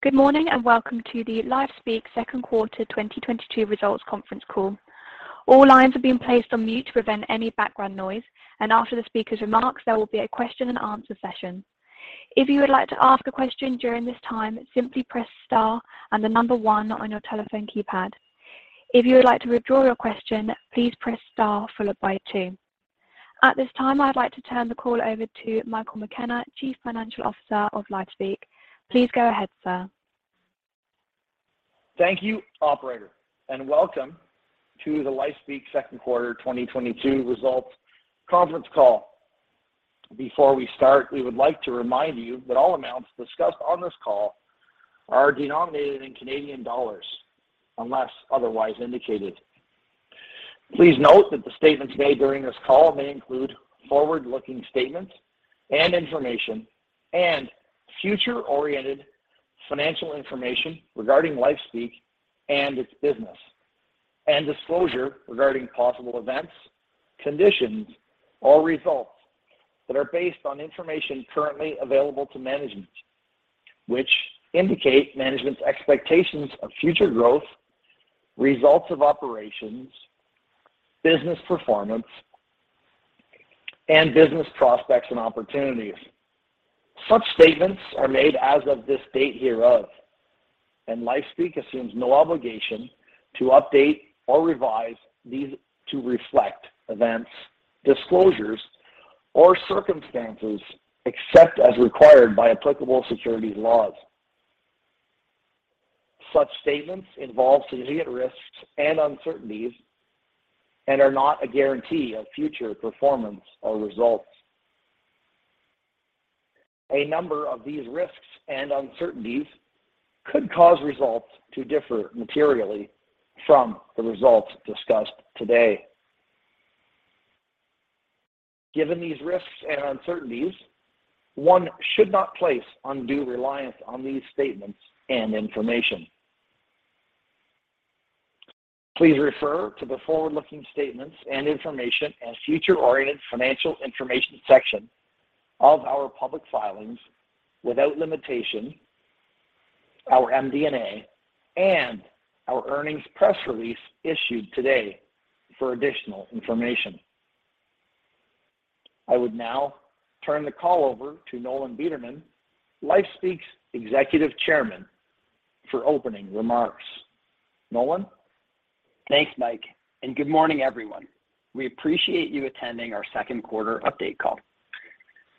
Good morning and welcome to the LifeSpeak Second Quarter 2022 Results conference call. All lines have been placed on mute to prevent any background noise, and after the speaker's remarks, there will be a question and answer session. If you would like to ask a question during this time, simply press star and the number one on your telephone keypad. If you would like to withdraw your question, please press star followed by a two. At this time, I'd like to turn the call over to Michael McKenna, Chief Financial Officer of LifeSpeak. Please go ahead, sir. Thank you, operator, and welcome to the LifeSpeak Second Quarter 2022 Results conference call. Before we start, we would like to remind you that all amounts discussed on this call are denominated in Canadian dollars unless otherwise indicated. Please note that the statements made during this call may include forward-looking statements and information and future-oriented financial information regarding LifeSpeak and its business, and disclosure regarding possible events, conditions or results that are based on information currently available to management, which indicate management's expectations of future growth, results of operations, business performance, and business prospects and opportunities. Such statements are made as of this date hereof and LifeSpeak assumes no obligation to update or revise these to reflect events, disclosures, or circumstances except as required by applicable securities laws. Such statements involve significant risks, and uncertainties, and are not a guarantee of future performance or results. A number of these risks and uncertainties could cause results to differ materially from the results discussed today. Given these risks and uncertainties, one should not place undue reliance on these statements and information. Please refer to the forward-looking statements and information and future-oriented financial information section of our public filings without limitation, our MD&A, and our earnings press release issued today for additional information. I would now turn the call over to Nolan Bederman, LifeSpeak's Executive Chairman for opening remarks. Nolan? Thanks, Mike, and good morning, everyone. We appreciate you attending our second quarter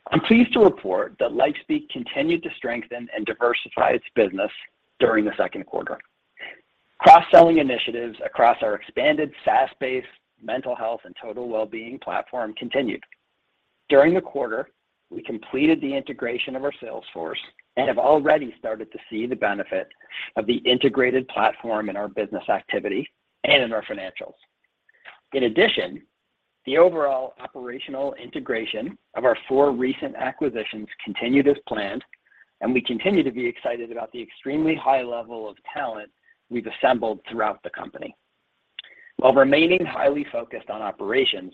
update call. I'm pleased to report that LifeSpeak continued to strengthen and diversify its business during the second quarter. Cross-selling initiatives across our expanded SaaS-based mental health and total wellbeing platform continued. During the quarter, we completed the integration of our sales force and have already started to see the benefit of the integrated platform in our business activity and in our financials. In addition, the overall operational integration of our four recent acquisitions continued as planned, and we continue to be excited about the extremely high level of talent we've assembled throughout the company. While remaining highly focused on operations,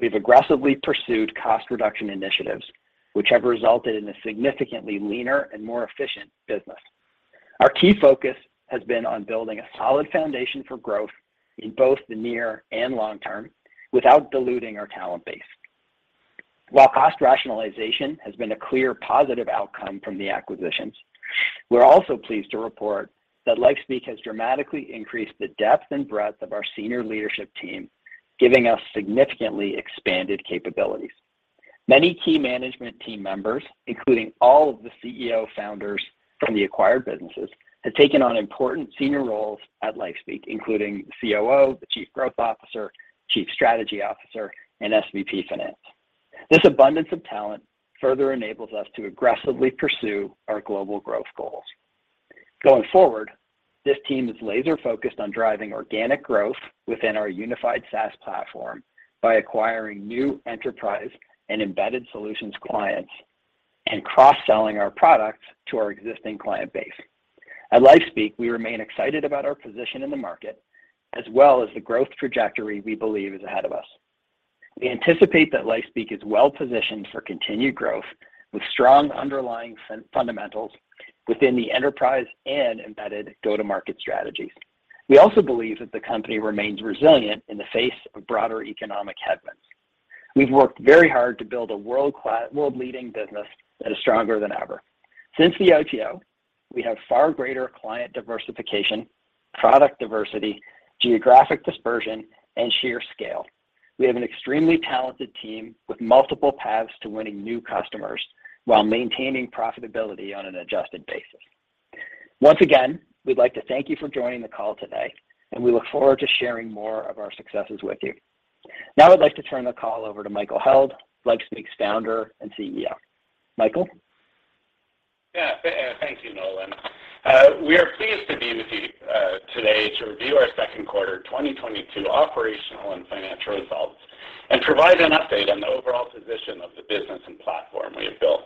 we've aggressively pursued cost reduction initiatives, which have resulted in a significantly leaner and more efficient business. Our key focus has been on building a solid foundation for growth in both the near and long term without diluting our talent base. While cost rationalization has been a clear positive outcome from the acquisitions, we're also pleased to report that LifeSpeak has dramatically increased the depth and breadth of our senior leadership team giving us significantly expanded capabilities. Many key management team members, including all of the CEO founders from the acquired businesses, have taken on important senior roles at LifeSpeak, including COO, the Chief Growth Officer, Chief Strategy Officer, and SVP of Finance. This abundance of talent further enables us to aggressively pursue our global growth goals. Going forward, this team is laser-focused on driving organic growth within our unified SaaS platform by acquiring new enterprise and embedded solutions clients and cross-selling our products to our existing client base. At LifeSpeak, we remain excited about our position in the market, as well as the growth trajectory we believe is ahead of us. We anticipate that LifeSpeak is well-positioned for continued growth with strong underlying fundamentals within the enterprise and embedded go-to-market strategies. We also believe that the company remains resilient in the face of broader economic headwinds. We've worked very hard to build a world-leading business that is stronger than ever. Since the IPO, we have far greater client diversification, product diversity, geographic dispersion, and sheer scale. We have an extremely talented team with multiple paths to winning new customers while maintaining profitability on an adjusted basis. Once again, we'd like to thank you for joining the call today, and we look forward to sharing more of our successes with you. Now I'd like to turn the call over to Michael Held, LifeSpeak's Founder and CEO. Michael? Yeah. Thank you, Nolan. We are pleased to be with you today to review our Second Quarter 2022 Operational and Financial Results and provide an update on the overall position of the business and platform we have built.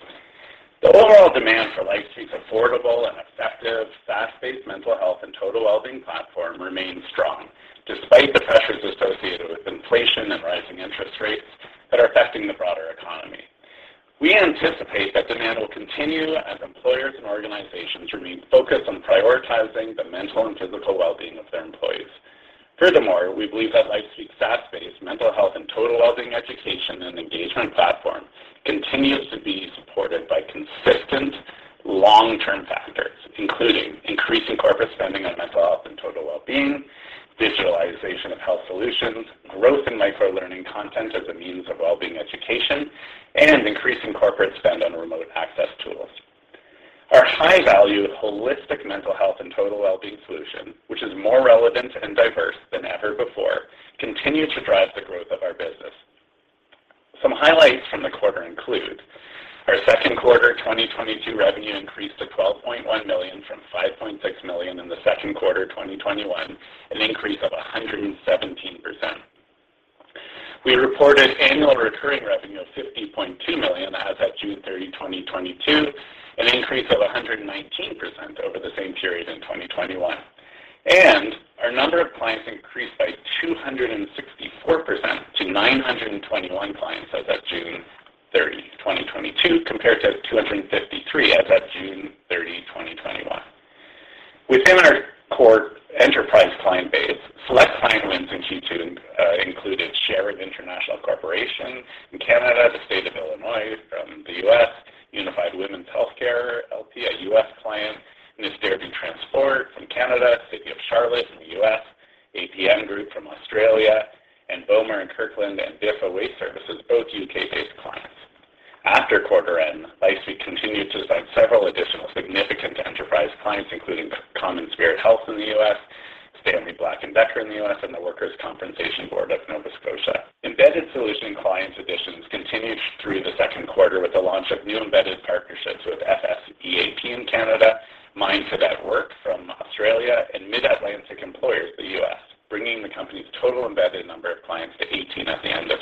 The overall demand for LifeSpeak's affordable and effective SaaS-based mental health and total well-being platform remains strong despite the pressures associated with inflation and rising interest rates that are affecting the broader economy. We anticipate that demand will continue as employers and organizations remain focused on prioritizing the mental and physical well-being of their employees. Furthermore, we believe that LifeSpeak's SaaS-based mental health and total well-being education and engagement platform continues to be supported by consistent long-term factors, including increasing corporate spending on mental health and total well-being, digitalization of health solutions, growth in micro-learning content as a means of well-being education, and increasing corporate spend on remote access tools. Our high-value holistic mental health and total well-being solution, which is more relevant and diverse than ever before, continues to drive the growth of our business. Some highlights from the quarter include our second quarter 2022 revenue increased to 12.1 million from 5.6 million in the second quarter of 2021, an increase of 117%. We reported annual recurring revenue of 50.2 million as of June 30, 2022, an increase of 119% over the same period in 2021. Our number of clients increased by 264% to 921 clients as of June 30, 2022, compared to 253% as of June 30, 2021. Within our core enterprise client base, select client wins in Q2 included Sheridan International Corporation in Canada, the State of Illinois from the U.S., Unified Women's Healthcare LP, a U.S. client, New Derby Transport from Canada, City of Charlotte in the U.S., APN Property Group from Australia, and Bowmer + Kirkland, and Biffa Waste Services, both U.K.-based clients. After quarter end, LifeSpeak continued to sign several additional significant enterprise clients, including CommonSpirit Health in the U.S., Stanley Black & Decker in the U.S., and the Workers' Compensation Board of Nova Scotia. Embedded solution client additions continued through the second quarter with the launch of new embedded partnerships with FSEAP in Canada, Mindset at Work from Australia, and MidAtlantic Employers' in the U.S. bringing the company's total embedded number of clients to 18 at the end of second quarter 2022. Subsequent to quarter end, LifeSpeak continued to design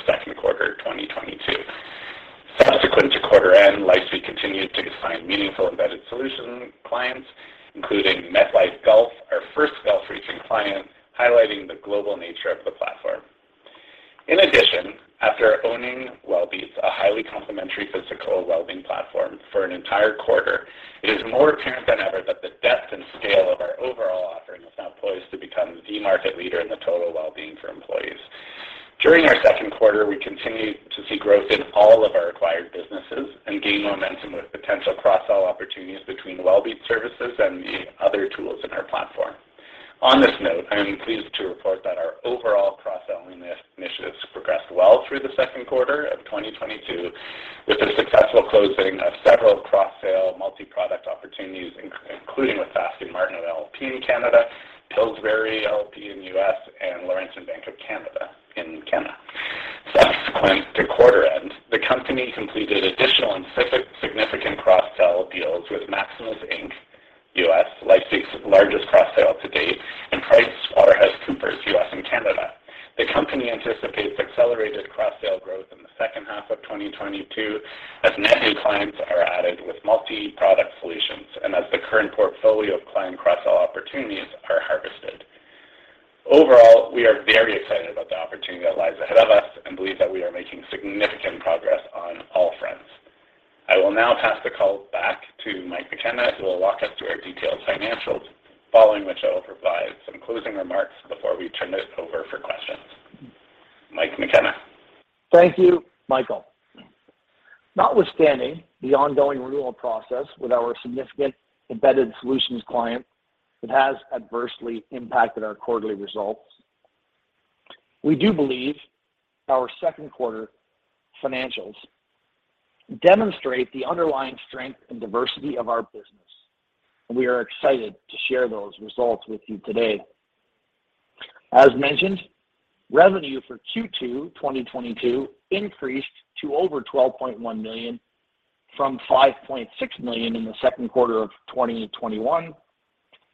meaningful embedded solution clients, including MetLife Gulf, our first Gulf region client, highlighting the from 5.6 million in the second quarter of 2021,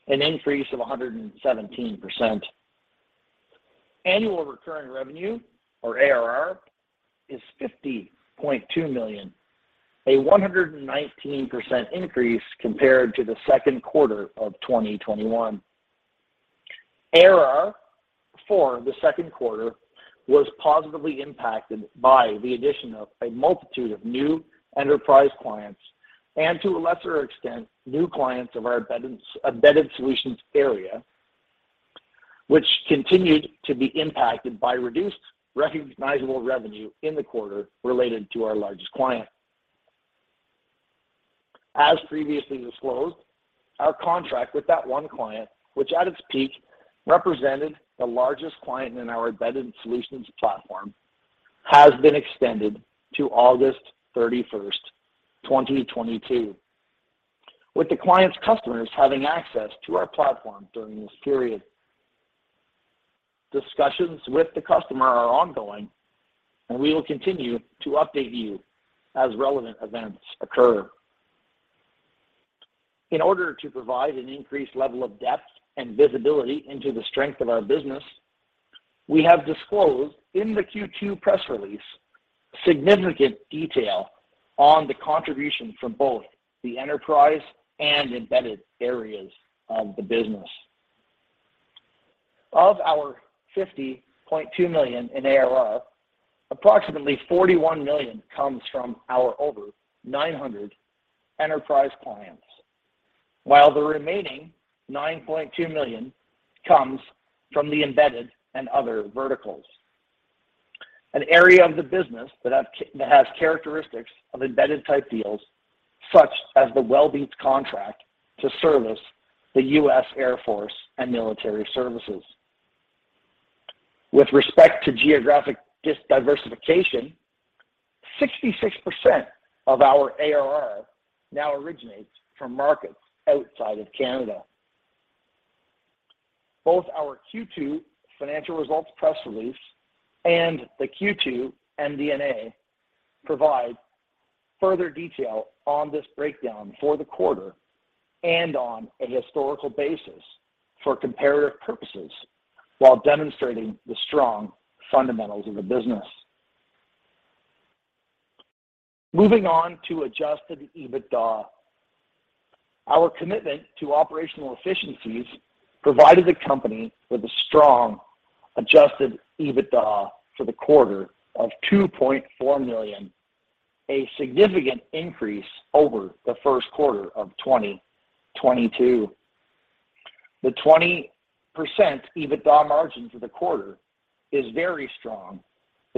an increase of 117%. Annual recurring revenue or ARR is 50.2 million, a 119% increase compared to the second quarter of 2021. ARR for the second quarter was positively impacted by the addition of a multitude of new enterprise clients and to a lesser extent, new clients of our embedded solutions area, which continued to be impacted by reduced recognizable revenue in the quarter related to our largest client. As previously disclosed, our contract with that one client, which at its peak represented the largest client in our embedded solutions platform has been extended to August 31st, 2022, with the client's customers having access to our platform during this period. Discussions with the customer are ongoing and we will continue to update you as relevant events occur. In order to provide an increased level of depth and visibility into the strength of our business, we have disclosed in the Q2 press release significant detail on the contribution from both the enterprise and embedded areas of the business. Of our 50.2 million in ARR, approximately 41 million comes from our over 900 enterprise clients, while the remaining 9.2 million comes from the embedded and other verticals. An area of the business that has characteristics of embedded type deals, such as the Wellbeats contract to service the U.S. Air Force and military services. With respect to geographic diversification, 66% of our ARR now originates from markets outside of Canada. Both our Q2 financial results press release and the Q2 MD&A provide further detail on this breakdown for the quarter and on a historical basis for comparative purposes while demonstrating the strong fundamentals of the business. Moving on to adjusted EBITDA, our commitment to operational efficiencies provided the company with a strong adjusted EBITDA for the quarter of 2.4 million, a significant increase over the first quarter of 2022. The 20% EBITDA margin for the quarter is very strong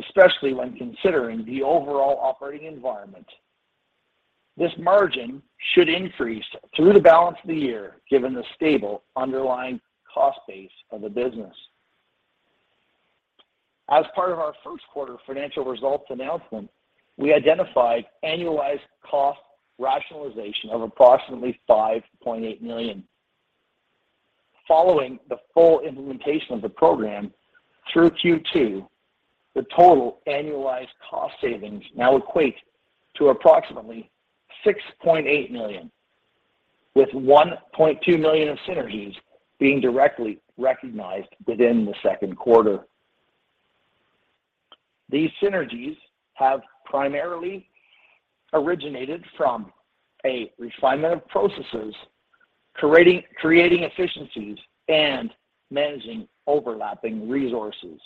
especially when considering the overall operating environment. This margin should increase through the balance of the year, given the stable underlying cost base of the business. As part of our first quarter financial results announcement, we identified annualized cost rationalization of approximately 5.8 million. Following the full implementation of the program through Q2, the total annualized cost savings now equate to approximately 6.8 million with 1.2 million of synergies being directly recognized within the second quarter. These synergies have primarily originated from a refinement of processes, creating efficiencies, and managing overlapping resources.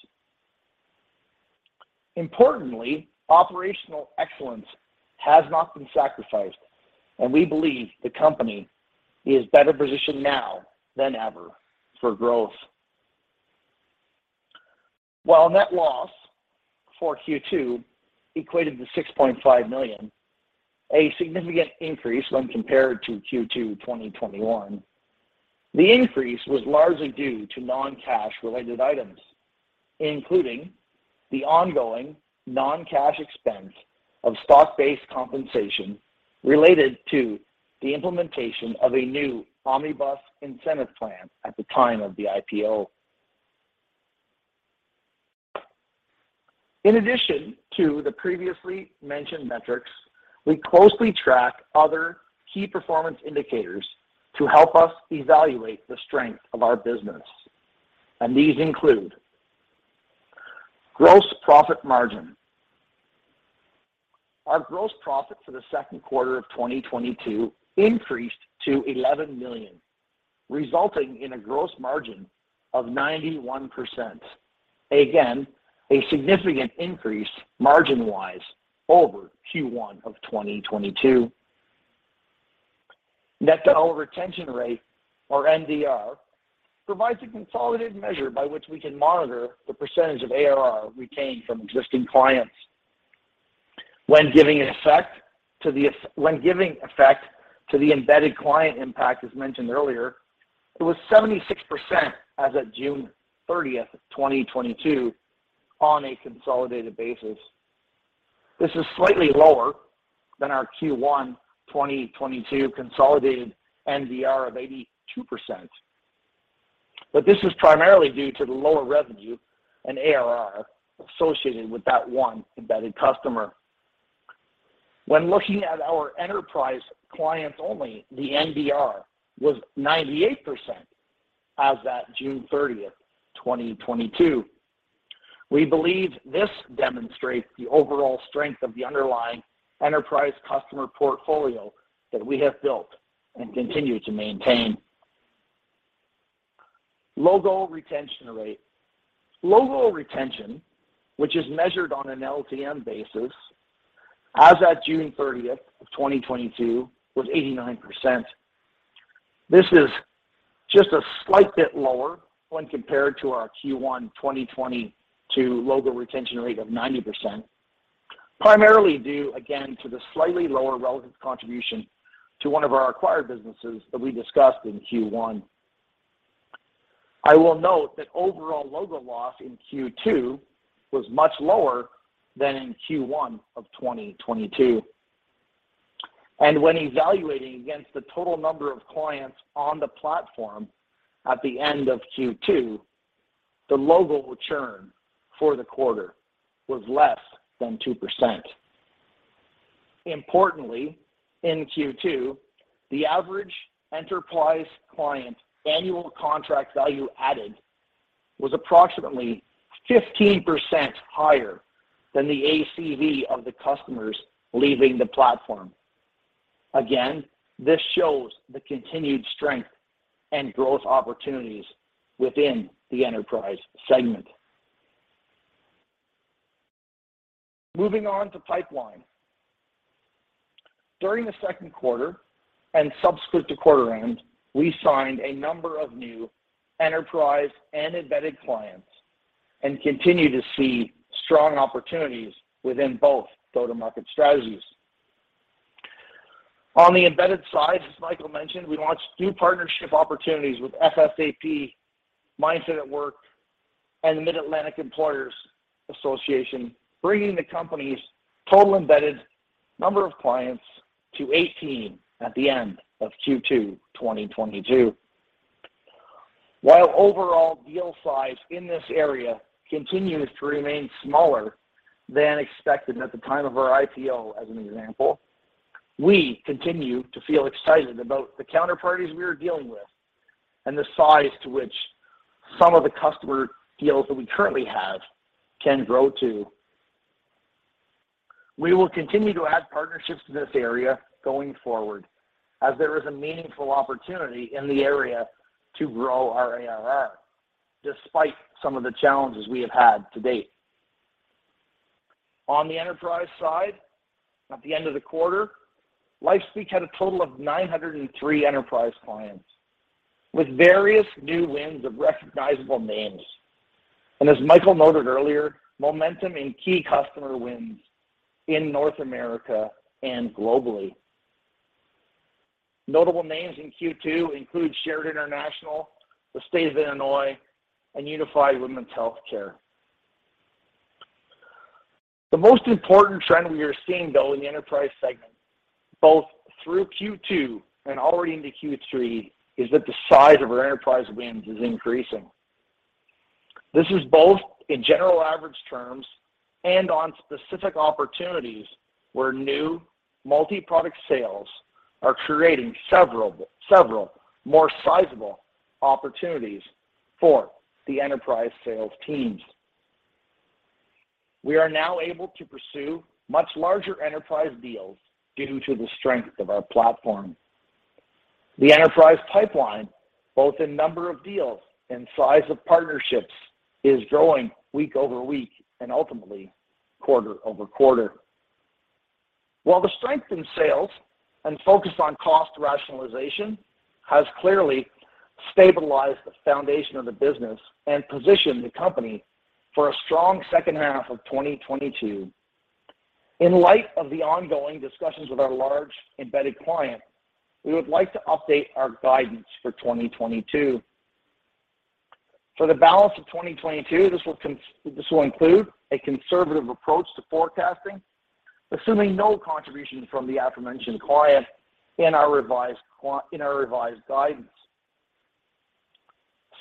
Importantly, operational excellence has not been sacrificed and we believe the company is better positioned now than ever for growth. While net loss for Q2 equated to 6.5 million, a significant increase when compared to Q2 2021. The increase was largely due to non-cash related items including the ongoing non-cash expense of stock-based compensation related to the implementation of a new omnibus incentive plan at the time of the IPO. In addition to the previously mentioned metrics, we closely track other key performance indicators to help us evaluate the strength of our business, and these include gross profit margin. Our gross profit for the second quarter of 2022 increased to 11 million, resulting in a gross margin of 91%. Again, a significant increase margin-wise over Q1 of 2022. Net dollar retention rate, or NDR, provides a consolidated measure by which we can monitor the percentage of ARR retained from existing clients. When giving effect to the embedded client impact, as mentioned earlier, it was 76% as of June 30 of 2022 on a consolidated basis. This is slightly lower than our Q1 2022 consolidated NDR of 82%. This is primarily due to the lower revenue and ARR associated with that one embedded customer. When looking at our enterprise clients only, the NDR was 98% as of June 30 of 2022. We believe this demonstrates the overall strength of the underlying enterprise customer portfolio that we have built and continue to maintain. Logo retention rate, logo retention, which is measured on an LTM basis, as at June 30 of 2022, was 89%. This is just a slight bit lower when compared to our Q1 2022 logo retention rate of 90%, primarily due again to the slightly lower relative contribution to one of our acquired businesses that we discussed in Q1. I will note that overall logo loss in Q2 was much lower than in Q1 of 2022. When evaluating against the total number of clients on the platform at the end of Q2, the logo will churn for the quarter was less than 2%. Importantly, in Q2, the average enterprise client annual contract value added was approximately 15% higher than the ACV of the customers leaving the platform. Again, this shows the continued strength and growth opportunities within the enterprise segment. Moving on to pipeline. During the second quarter and subsequent to quarter end, we signed a number of new enterprise and embedded clients and continue to see strong opportunities within both go-to-market strategies. On the embedded side, as Michael mentioned, we launched new partnership opportunities with FSEAP, Mindset at Work, and the MidAtlantic Employers' Association, bringing the company's total embedded number of clients to 18 at the end of Q2 2022. While overall deal size in this area continues to remain smaller than expected at the time of our IPO as an example, we continue to feel excited about the counterparties we are dealing with, and the size to which some of the customer deals that we currently have can grow to. We will continue to add partnerships to this area going forward as there is a meaningful opportunity in the area to grow our ARR despite some of the challenges we have had to date. On the enterprise side, at the end of the quarter, LifeSpeak had a total of 903 enterprise clients with various new wins of recognizable names, and as Michael noted earlier, momentum in key customer wins in North America and globally. Notable names in Q2 include Sheridan International, the State of Illinois, and Unified Women's Healthcare. The most important trend we are seeing, though, in the enterprise segment, both through Q2, and already into Q3, is that the size of our enterprise wins is increasing. This is both in general average terms and on specific opportunities where new multi-product sales are creating several more sizable opportunities for the enterprise sales teams. We are now able to pursue much larger enterprise deals due to the strength of our platform. The enterprise pipeline, both in number of deals and size of partnerships is growing week-over-week and ultimately quarter-over-quarter. While the strength in sales and focus on cost rationalization has clearly stabilized the foundation of the business and positioned the company for a strong second half of 2022. In light of the ongoing discussions with our large embedded client, we would like to update our guidance for 2022. For the balance of 2022, this will include a conservative approach to forecasting assuming no contribution from the aforementioned client in our revised guidance.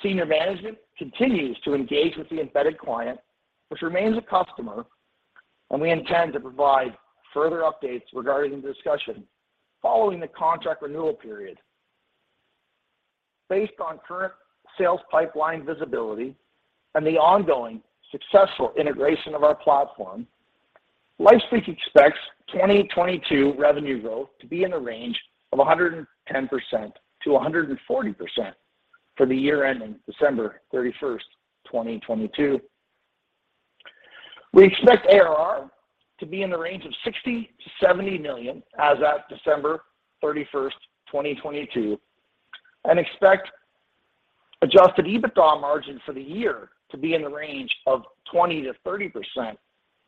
Senior management continues to engage with the embedded client, which remains a customer, and we intend to provide further updates regarding the discussion following the contract renewal period. Based on current sales pipeline visibility and the ongoing successful integration of our platform, LifeSpeak expects 2022 revenue growth to be in the range of 110% to 140% for the year ending December 31st, 2022. We expect ARR to be in the range of 60 million to 70 million as at December 31st, 2022, and expect adjusted EBITDA margins for the year to be in the range of 20% to 30%,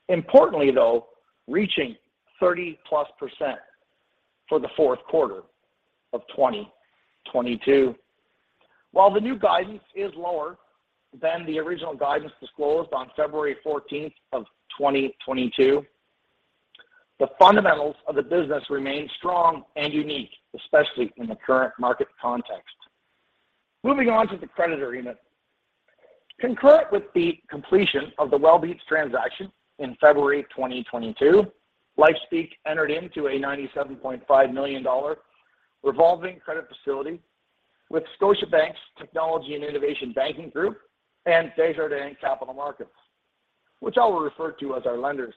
importantly, though, reaching 30+% for the fourth quarter of 2022. While the new guidance is lower than the original guidance disclosed on February 14 of 2022, the fundamentals of the business remain strong and unique, especially in the current market context. Moving on to the credit agreement, concurrent with the completion of the Wellbeats transaction in February 2022, LifeSpeak entered into a 97.5 million dollar revolving credit facility with Scotiabank's Technology and Innovation Banking Group and Desjardins Capital Markets, which I will refer to as our lenders.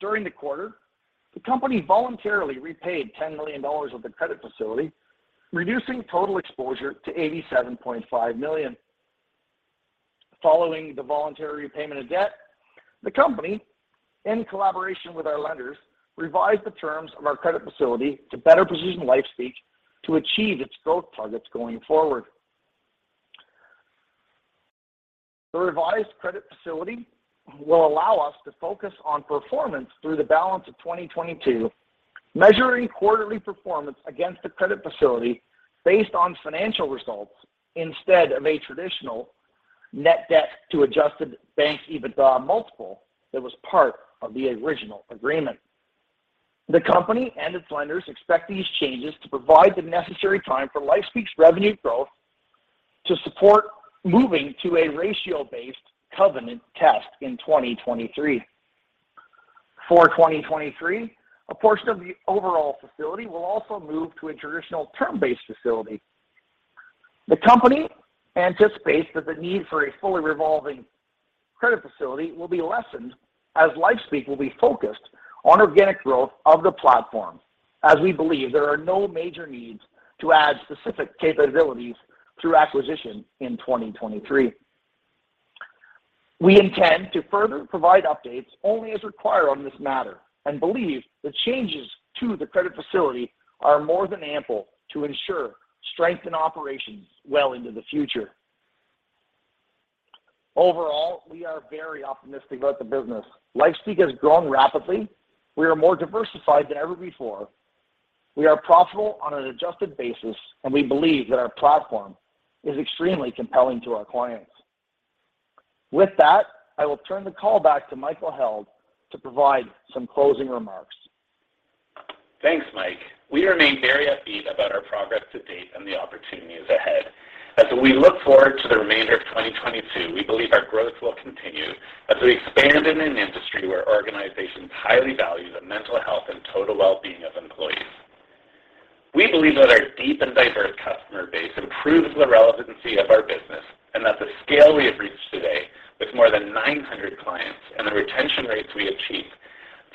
During the quarter, the company voluntarily repaid 10 million dollars of the credit facility reducing total exposure to 87.5 million. Following the voluntary repayment of debt, the company, in collaboration with our lenders revised the terms of our credit facility to better position LifeSpeak to achieve its growth targets going forward. The revised credit facility will allow us to focus on performance through the balance of 2022 measuring quarterly performance against the credit facility based on financial results, instead of a traditional net debt to adjusted EBITDA multiple that was part of the original agreement. The company and its lenders expect these changes to provide the necessary time for LifeSpeak's revenue growth to support moving to a ratio-based covenant test in 2023. For 2023, a portion of the overall facility will also move to a traditional term-based facility. The company anticipates that the need for a fully revolving credit facility will be lessened as LifeSpeak will be focused on organic growth of the platform, as we believe there are no major needs to add specific capabilities through acquisition in 2023. We intend to further provide updates only as required on this matter and believe the changes to the credit facility are more than ample to ensure strength in operations well into the future. Overall, we are very optimistic about the business. LifeSpeak has grown rapidly. We are more diversified than ever before. We are profitable on an adjusted basis, and we believe that our platform is extremely compelling to our clients. With that, I will turn the call back to Michael Held to provide some closing remarks. Thanks, Mike. We remain very upbeat about our progress to date and the opportunities ahead. As we look forward to the remainder of 2022, we believe our growth will continue as we expand in an industry where organizations highly value the mental health, and total well-being of employees. We believe that our deep and diverse customer base improves the relevancy of our business, and that the scale we have reached today with more than 900 clients, and the retention rates we achieve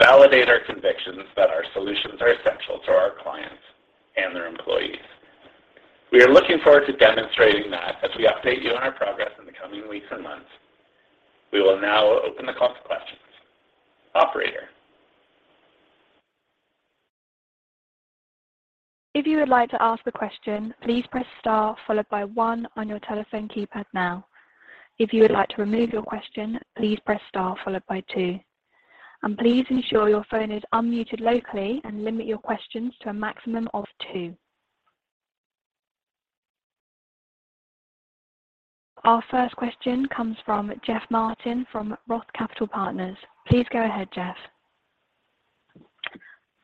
validate our convictions that our solutions are essential to our clients and their employees. We are looking forward to demonstrating that as we update you on our progress in the coming weeks and months. We will now open the call to questions. Operator? If you would like to ask a question, please press star followed by one on your telephone keypad now. If you would like to remove your question, please press star followed by two. Please ensure your phone is unmuted locally and limit your questions to a maximum of two. Our first question comes from Jeff Martin from Roth Capital Partners. Please go ahead, Jeff.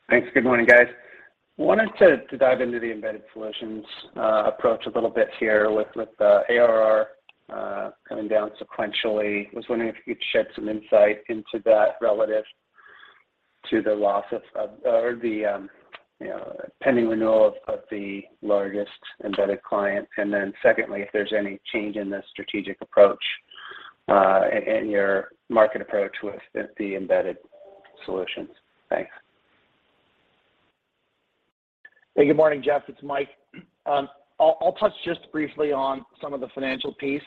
Thanks. Good morning, guys. I wanted to dive into the embedded solutions approach a little bit here with ARR coming down sequentially. I was wondering if you could shed some insight into that relative to the loss of or, you know, pending renewal of the largest embedded client. Secondly, if there's any change in the strategic approach in your market approach with the embedded solutions. Thanks. Hey, good morning, Jeff. It's Mike. I'll touch just briefly on some of the financial piece.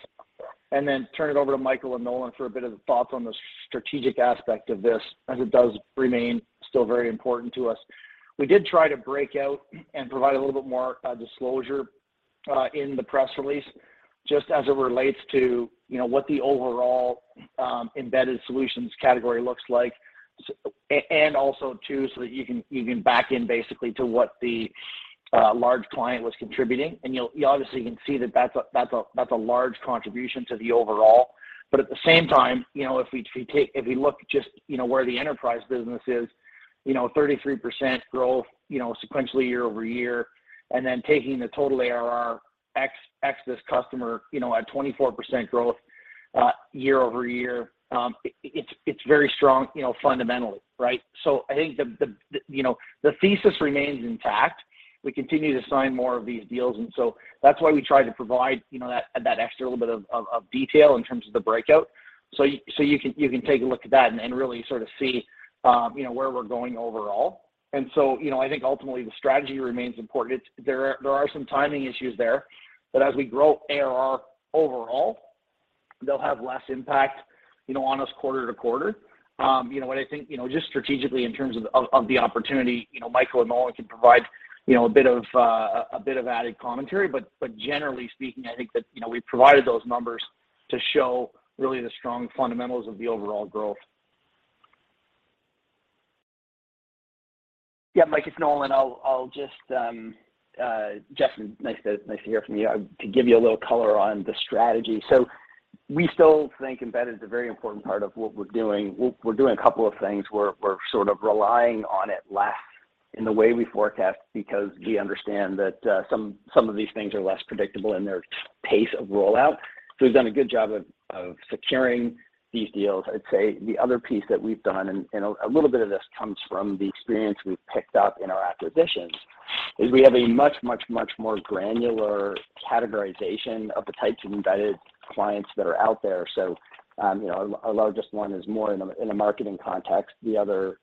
Then turn it over to Michael and Nolan for a bit of thought from the strategic aspect of this as it does remain still very important to us. We did try to break out and provide a little bit more disclosure in the press release, just as it relates to, you know, what the overall embedded solutions category looks like. Also too, so that you can back into basically what the large client was contributing. You, obviously, can see that that's a large contribution to the overall. At the same time, you know, if we look just, you know, where the enterprise business is, you know, 33% growth, you know, sequentially year-over-year, and then taking the total ARR, X this customer, you know, at 24% growth, year-over-year, it's very strong, you know, fundamentally, right? I think the thesis remains intact. We continue to sign more of these deals, and that's why we try to provide, you know, that extra little bit of detail in terms of the breakout. You can take a look at that and really sort of see, you know, where we're going overall. I think ultimately the strategy remains important. There are some timing issues there, but as we grow ARR overall, they'll have less impact, you know, on us quarter to quarter. I think, you know, just strategically in terms of the opportunity, you know, Michael and Nolan can provide, you know, a bit of added commentary. But generally speaking, I think that, you know, we provided those numbers to show really the strong fundamentals of the overall growth. Yeah, Mike, it's Nolan. Jeff, nice to hear from you. To give you a little color on the strategy so we still think embedded is a very important part of what we're doing. We're doing a couple of things. We're sort of relying on it less in the way we forecast because we understand that some of these things are less predictable in their pace of rollout. We've done a good job of securing these deals. I'd say the other piece that we've done, and a little bit of this comes from the experience we've picked up in our acquisitions, is we have a much, much more granular categorization of the types of embedded clients that are out there. Our largest one is more in a marketing context. The other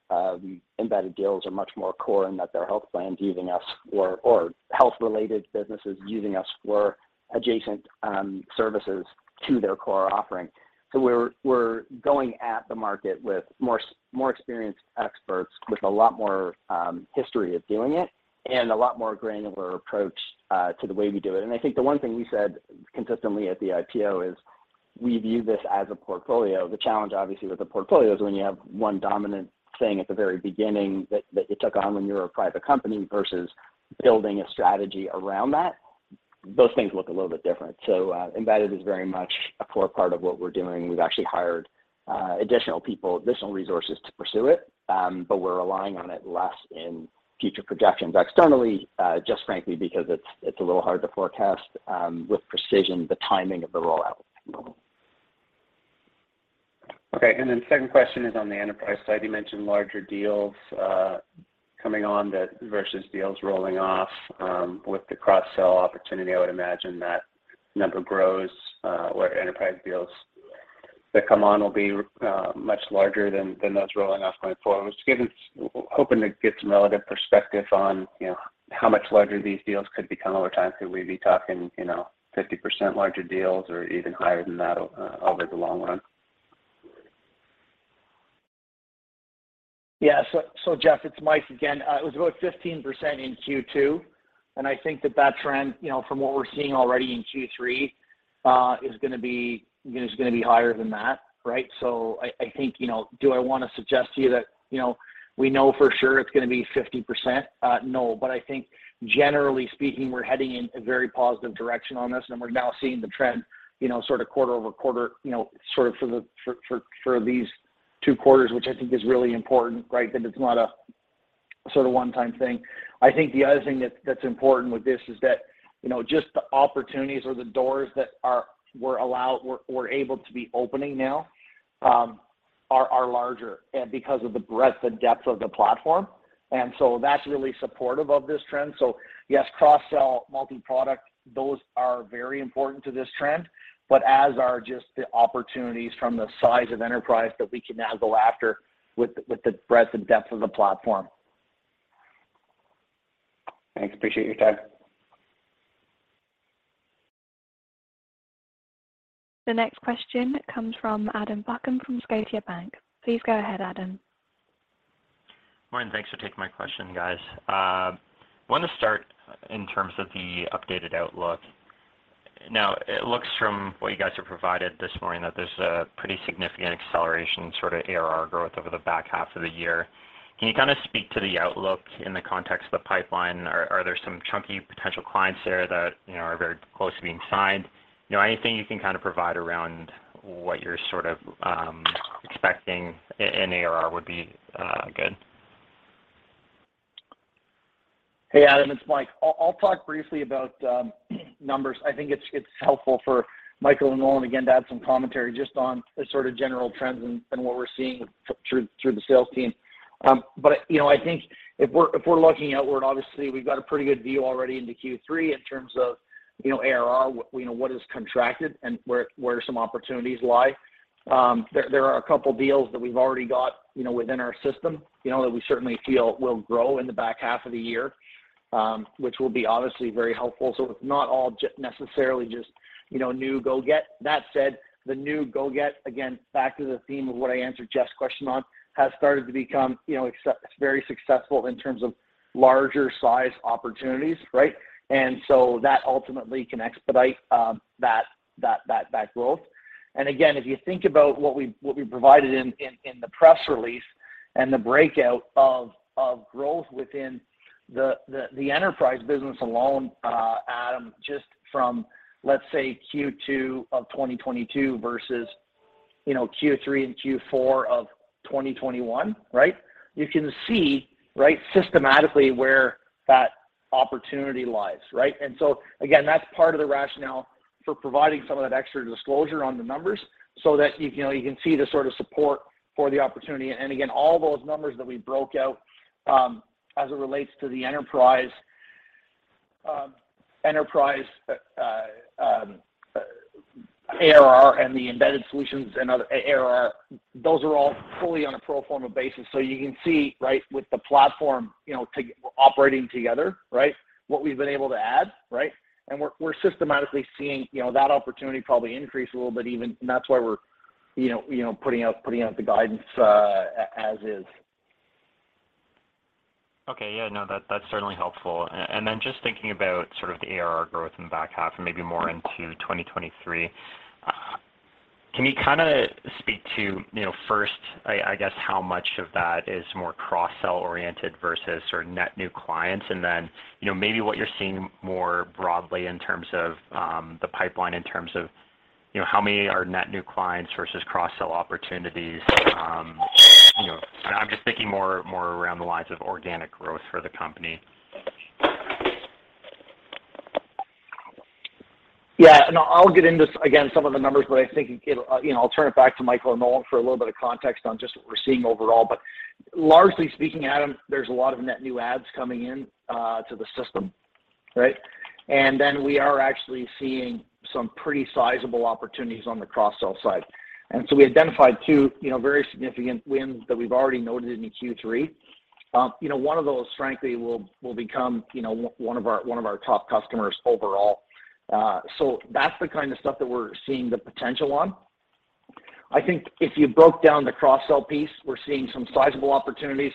embedded deals are much more core and that they're health plans using us or health-related businesses using us for adjacent services to their core offering. We're going at the market with more experienced experts with a lot more history of doing it and a lot more granular approach to the way we do it. I think the one thing we said consistently at the IPO is we view this as a portfolio. The challenge, obviously, with the portfolio is when you have one dominant thing at the very beginning that you took on when you were a private company versus building a strategy around that. Those things look a little bit different. Embedded is very much a core part of what we're doing. We've actually hired additional people, additional resources to pursue it. We're relying on it less in future projections externally, just frankly because it's a little hard to forecast with precision the timing of the rollout. Okay, then second question is on the enterprise side. You mentioned larger deals coming on that versus deals rolling off with the cross-sell opportunity. I would imagine that number grows where enterprise deals that come on will be much larger than those rolling off going forward. I was just hoping to get some relative perspective on, you know, how much larger these deals could become over time. Could we be talking, you know, 50% larger deals or even higher than that over the long run? Yeah. Jeff, it's Mike again. It was about 15% in Q2, and I think that trend, you know, from what we're seeing already in Q3, is going to be, you know, higher than that, right? I think, you know, do I want to suggest to you that, you know, we know for sure it's going to be 50%? No, but I think generally speaking, we're heading in a very positive direction on this, and we're now seeing the trend, you know, sort of quarter-over-quarter, you know, sort of for these two quarters, which I think is really important, right? It's not a sort of one-time thing. I think the other thing that that's important with this is that, you know, just the opportunities or the doors that we're able to be opening now are larger because of the breadth and depth of the platform. That's really supportive of this trend. Yes, cross-sell, multi-product, those are very important to this trend, but as are just the opportunities from the size of enterprise that we can now go after with the breadth and depth of the platform. Thanks. Appreciate your time. The next question comes from Adam Buckham from Scotiabank. Please go ahead, Adam. Morning. Thanks for taking my question, guys. I want to start in terms of the updated outlook. Now, it looks from what you guys have provided this morning, that there's a pretty significant acceleration sort of ARR growth over the back half of the year. Can you kind of speak to the outlook in the context of the pipeline? Are there some chunky potential clients there that, you know, are very close to being signed? Anything you can kind of provide around what you're sort of expecting in ARR would be good. Hey, Adam, it's Mike. I'll talk briefly about numbers. I think it's helpful for Michael and Nolan again to add some commentary just on the sort of general trends and what we're seeing through the sales team. But you know, I think if we're looking outward, obviously, we've got a pretty good view already into Q3 in terms of ARR, you know, what is contracted and where some opportunities lie. There are a couple deals that we've already got, you know, within our system, you know, that we certainly feel will grow in the back half of the year, which will be obviously very helpful. It's not all just necessarily just, you know, new go get. With that said, the new go get, again, back to the theme of what I answered Jeff's question on, has started to become, you know, very successful in terms of larger size opportunities, right? That ultimately can expedite that growth. If you think about what we provided in the press release and the breakout of growth within the enterprise business alone, Adam, just from, let's say Q2 of 2022 versus, you know, Q3 and Q4 of 2021, right? You can see, right, systematically where that opportunity lies, right? That's part of the rationale for providing some of that extra disclosure on the numbers so that, you know, you can see the sort of support for the opportunity. Again, all those numbers that we broke out, as it relates to the enterprise ARR, and the embedded solutions and other ARR, those are all fully on a pro forma basis. You can see, right, with the platform, you know, operating together, right, what we've been able to add, right? We're systematically seeing, you know, that opportunity probably increase a little bit even, and that's why we're, you know, putting out the guidance as is. Okay. Yeah. No, that's certainly helpful, and just thinking about sort of the ARR growth in the back half, and maybe more into 2023, can you kind of speak to, you know, first, how much of that is more cross-sell oriented versus sort of net new clients and then, you know, maybe what you're seeing more broadly in terms of the pipeline in terms of, you know, how many are net new clients versus cross-sell opportunities? I'm just thinking more around the lines of organic growth for the company. Yeah. No, I'll get into some of the numbers, but I think it. You know, I'll turn it back to Michael and Nolan for a little bit of context on just what we're seeing overall. Largely speaking, Adam, there's a lot of net new adds coming in to the system, right? We are actually seeing some pretty sizable opportunities on the cross-sell side. We identified two, you know, very significant wins that we've already noted in Q3. One of those frankly will become, you know, one of our top customers overall. That's the kind of stuff that we're seeing the potential on. I think if you broke down the cross-sell piece, we're seeing some sizable opportunities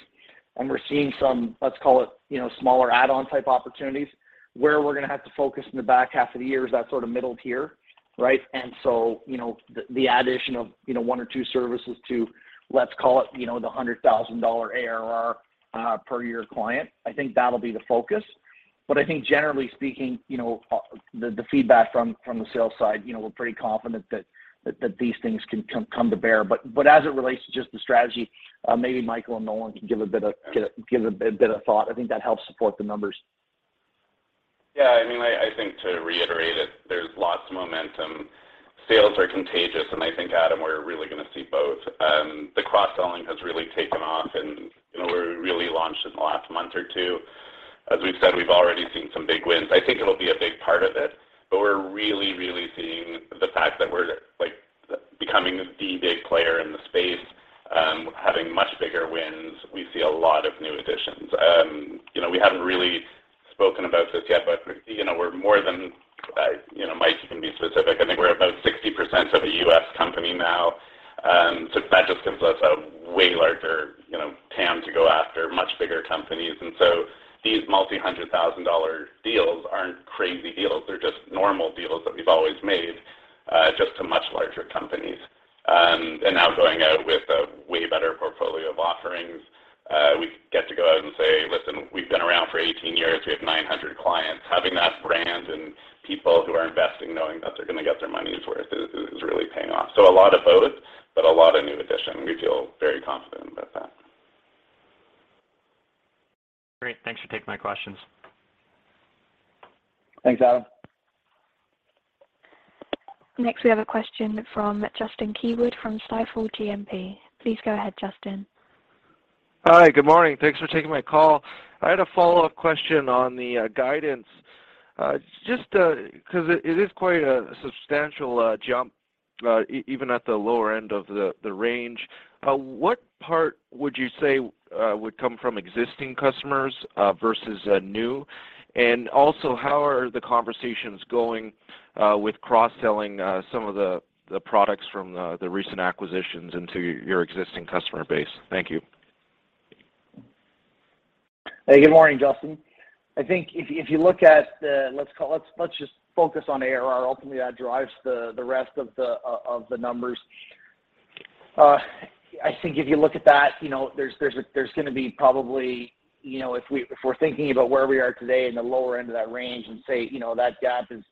and we're seeing some, let's call it, you know, smaller add-on type opportunities. Where we're going to have to focus in the back half of the year is that sort of middle tier, right? The addition of, you know, one or two services to, let's call it, you know, the $100,000 ARR per year client, I think that'll be the focus. I think generally speaking, you know, the feedback from the sales side, you know, we're pretty confident that these things can come to bear. As it relates to just the strategy, maybe Michael and Nolan can give a bit there of thought. I think that helps support the numbers. Yeah, I mean, I think to reiterate it, there's lots of momentum. Sales are contagious, and I think, Adam, we're really going to see both. The cross-selling has really taken off, and, you know, we've really launched in the last month or two. As we've said, we've already seen some big wins. I think it'll be a big part of it, but we're really, really seeing the fact that we're, like, becoming the big player in the space. We're having much bigger wins. We see a lot of new additions. You know, we haven't really spoken about this yet, but, you know, we're more than, you know, Mike, you can be specific. I think we're about 60% of a U.S. company now, so that just gives us a way larger TAM to go after much bigger companies. These multi-$100,000 deals aren't crazy deals. They're just normal deals that we've always made, just to much larger companies. Now going out with a way better portfolio of offerings, we get to go out and say, "Listen, we've been around for 18 years. We have 900 clients." Having that brand and people who are investing knowing that they're going to get their money's worth is really paying off. A lot of both, but a lot of new addition, and we feel very confident about that. Great. Thanks for taking my questions. Thanks, Adam. Next, we have a question from Justin Keywood from Stifel GMP. Please go ahead, Justin. Hi. Good morning. Thanks for taking my call. I had a follow-up question on the guidance, just because it is quite a substantial jump, even at the lower end of the range. What part would you say would come from existing customers versus new? Also, how are the conversations going with cross-selling some of the products from the recent acquisitions into your existing customer base? Thank you. Hey, good morning, Justin. I think if you look at the. Let's just focus on ARR. Ultimately, that drives the rest of the numbers. I think if you look at that, you know, there's going to be probably, you know, if we're thinking about where we are today in the lower end of that range and say, you know, that gap is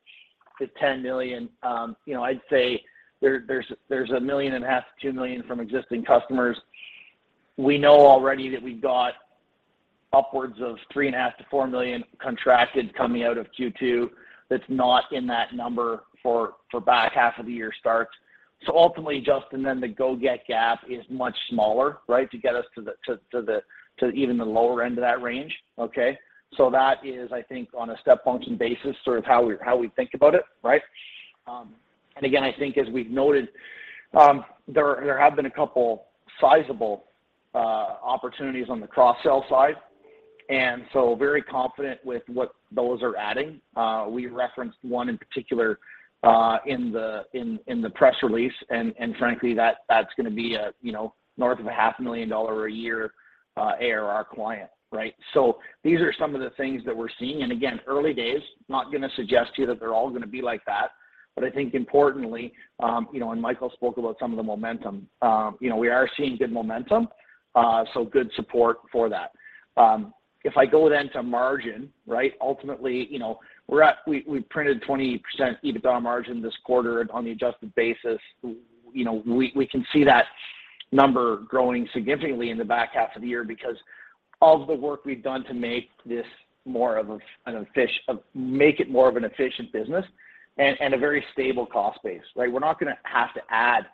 10 million. I'd say there's 1.5 million to 2 million from existing customers. We know already that we've got upwards of 3.5 million to 4 million contracted coming out of Q2 that's not in that number for back half of the year starts. Ultimately, Justin, then the go-get gap is much smaller, right? To get us to even the lower end of that range, okay? That is, I think, on a step function basis sort of how we think about it, right? Again, I think as we've noted, there have been a couple sizable opportunities on the cross-sell side, and so very confident with what those are adding. We referenced one in particular in the press release, and frankly, that's going to be, you know, north of half a million dollars a year ARR client, right? These are some of the things that we're seeing. Again, early days, not going to suggest to you that they're all going to be like that. I think importantly, you know, and Michael spoke about some of the momentum, you know, we are seeing good momentum, so good support for that. If I go then to margin, right? Ultimately, you know, we printed 20% EBITDA margin this quarter on the adjusted basis. We can see that number growing significantly in the back half of the year because of the work we've done to make this more of an efficient business and a very stable cost base, right? We're not going to have to add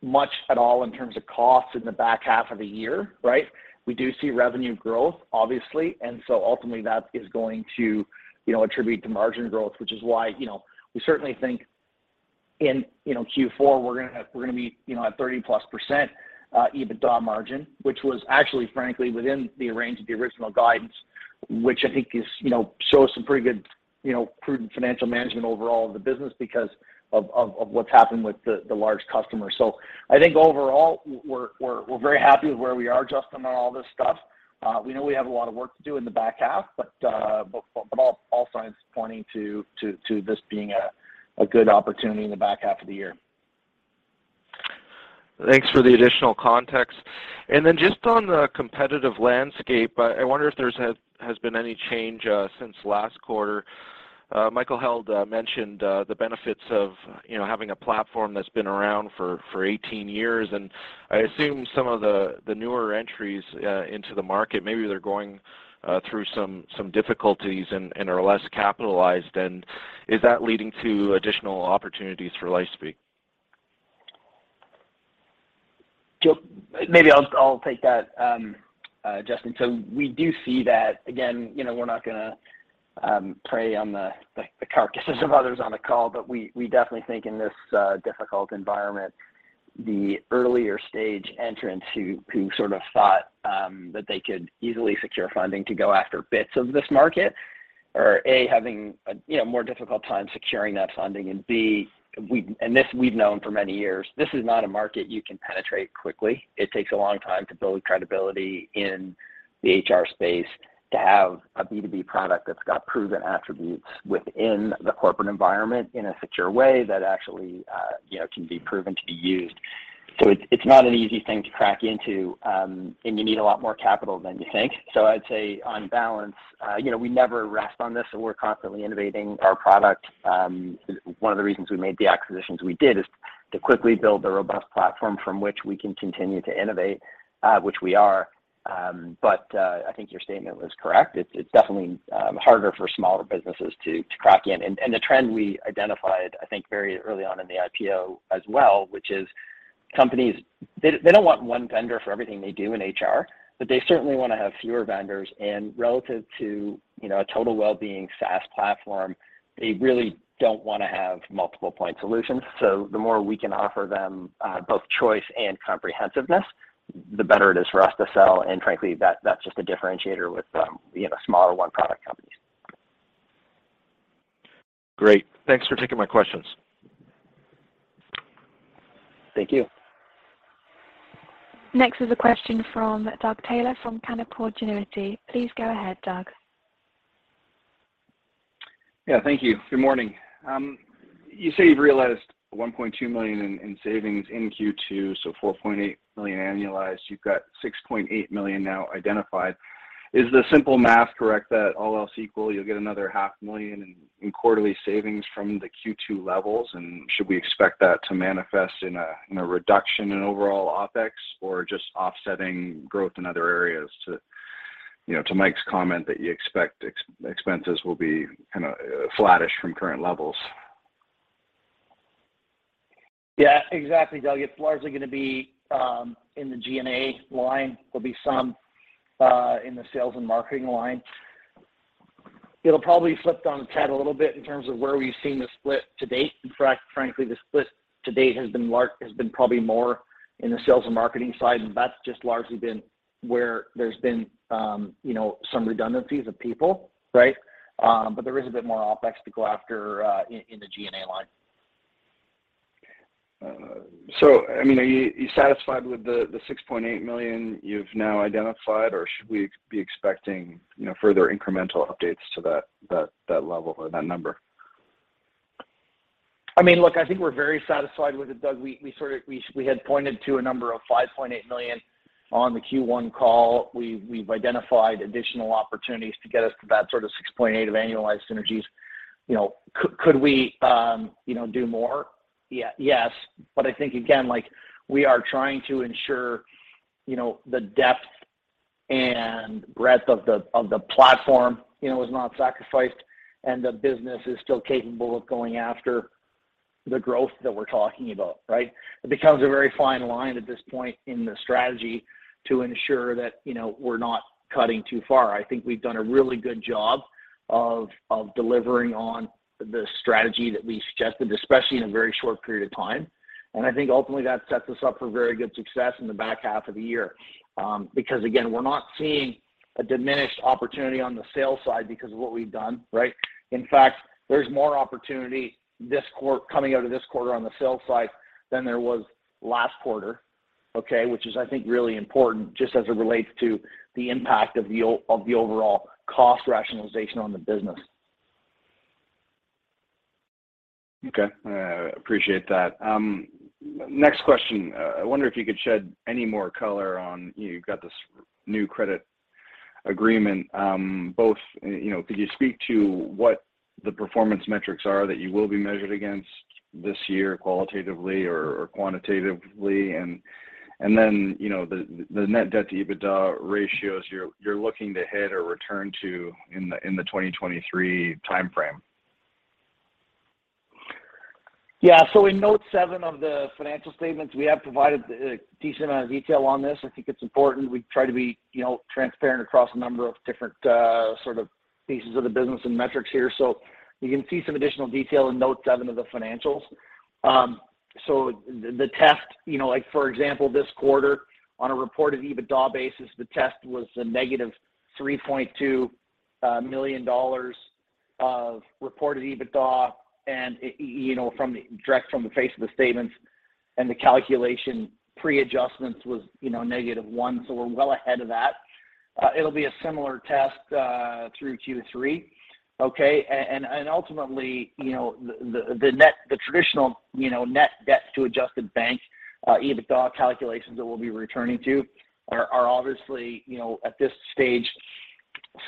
much at all in terms of costs in the back half of the year, right? We do see revenue growth, obviously, and ultimately, that is going to, you know, contribute to margin growth, which is why, you know, we certainly think in, you know, Q4, we're going to be, you know, at 30+% EBITDA margin, which was actually, frankly, within the range of the original guidance, which I think is, you know, shows some pretty good, you know, prudent financial management overall of the business because of what's happened with the large customers. I think overall, we're very happy with where we are, Justin, on all this stuff. We know we have a lot of work to do in the back half but all signs pointing to this being a good opportunity in the back half of the year. Thanks for the additional context. Then just on the competitive landscape, I wonder if there's has been any change since last quarter. Michael Held mentioned the benefits of, you know, having a platform that's been around for 18 years, and I assume some of the newer entries into the market, maybe they're going through some difficulties and are less capitalized. Is that leading to additional opportunities for LifeSpeak? Maybe I'll take that, Justin. We do see that. Again, you know, we're not going to prey on the carcasses of others on the call, but we definitely think in this difficult environment, the earlier stage entrants who sort of thought that they could easily secure funding to go after bits of this market are, A, having a, you know, more difficult time securing that funding, and B, and this we've known for many years. This is not a market you can penetrate quickly. It takes a long time to build credibility in the HR space to have a B2B product that's got proven attributes within the corporate environment in a secure way, that actually, you know, can be proven to be used. It's not an easy thing to crack into, and you need a lot more capital than you think. I'd say on balance, you know, we never rest on this and we're constantly innovating our product. One of the reasons we made the acquisitions we did is to quickly build a robust platform from which we can continue to innovate, which we are. But I think your statement was correct. It's definitely harder for smaller businesses to crack in. The trend we identified, I think very early on in the IPO as well, which is companies, they don't want one vendor for everything they do in HR. They certainly want to have fewer vendors and relative to, you know, a total wellbeing SaaS platform, they really don't want to have multiple point solutions. The more we can offer them both choice and comprehensiveness, the better it is for us to sell, and frankly, that's just a differentiator with, you know, smaller one product company. Great. Thanks for taking my questions. Thank you. Next is a question from Doug Taylor from Canaccord Genuity. Please go ahead, Doug. Yeah, thank you. Good morning. You say you've realized 1.2 million in savings in Q2 so 4.8 million annualized. You've got 6.8 million now identified. Is the simple math correct that all else equal, you'll get another 500,000 in quarterly savings from the Q2 levels, and should we expect that to manifest in a reduction in overall OpEx or just offsetting growth in other areas, you know, to Mike's comment that you expect expenses will be kind of flattish from current levels? Yeah, exactly, Doug. It's largely going to going to be in the G&A line. There'll be some in the sales and marketing line. It'll probably be flipped on its head a little bit in terms of where we've seen the split to date. In fact, frankly, the split to date has been probably more in the sales and marketing side, and that's just largely been where there's been you know, some redundancies of people, right? But there is a bit more OpEx to go after in the G&A line. I mean, are you satisfied with the 6.8 million you've now identified or should we be expecting, you know, further incremental updates to that level or that number? I mean, look, I think we're very satisfied with it, Doug. We had pointed to a number of 5.8 million on the Q1 call. We've identified additional opportunities to get us to that sort of 6.8 million of annualized synergies. Could we, you know, do more? Yes. I think again, like, we are trying to ensure, you know, the depth and breadth of the platform, you know, is not sacrificed and the business is still capable of going after the growth that we're talking about, right? It becomes a very fine line at this point in the strategy to ensure that, you know, we're not cutting too far. I think we've done a really good job of delivering on the strategy that we suggested especially in a very short period of time. I think ultimately that sets us up for very good success in the back half of the year. Because again, we're not seeing a diminished opportunity on the sales side because of what we've done, right? In fact, there's more opportunity coming out of this quarter on the sales side than there was last quarter, okay, which is, I think, really important just as it relates to the impact of the overall cost rationalization on the business. Okay. Appreciate that. Next question, I wonder if you could shed any more color on, you've got this new credit agreement both, you know, could you speak to what the performance metrics are that you will be measured against this year qualitatively or quantitatively? You know, the net debt to EBITDA ratios you're looking to hit or return to in the 2023 timeframe. Yeah. In note seven of the financial statements, we have provided a decent amount of detail on this. I think it's important. We try to be, you know, transparent across a number of different, sort of pieces of the business and metrics here. You can see some additional detail in note seven of the financials. The test, you know, like for example, this quarter, on a reported EBITDA basis, the test was a negative 3.2 million dollars of reported EBITDA, and, you know, directly from the face of the statements and the calculation pre-adjustments was, you know, negative 1 million. We're well ahead of that. It'll be a similar test through Q3, okay? Ultimately, you know, the traditional, you know, net debt to adjusted bank EBITDA calculations that we'll be returning to are, obviously, you know, at this stage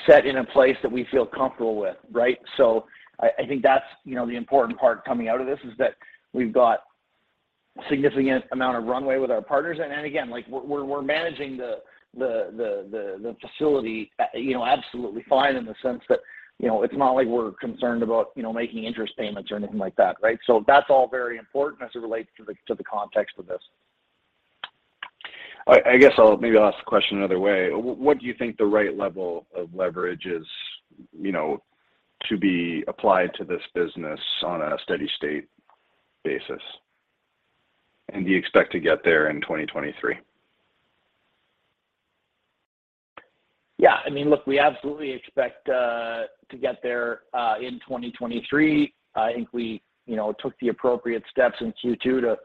set in a place that we feel comfortable with, right? I think that's, you know, the important part coming out of this, is that we've got significant amount of runway with our partners. Again, like we're managing the facility, you know, absolutely fine in the sense that, you know, it's not like we're concerned about, you know, making interest payments or anything like that, right? That's all very important as it relates to the context of this. I'll ask the question another way. What do you think the right level of leverage is, you know, to be applied to this business on a steady state basis, and do you expect to get there in 2023? Yeah. I mean, look, we absolutely expect to get there in 2023. I think we, you know, took the appropriate steps in Q2 to